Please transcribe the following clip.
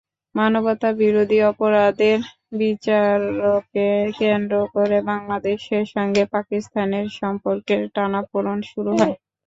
মানবতাবিরোধী অপরাধের বিচারকে কেন্দ্র করে বাংলাদেশের সঙ্গে পাকিস্তানের সম্পর্কের টানাপোড়েন শুরু হয়।